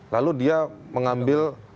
lalu dia mengambil